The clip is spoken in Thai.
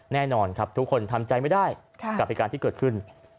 แน่นอนครับทุกคนทำใจไม่ได้กับเหตุการณ์ที่เกิดขึ้น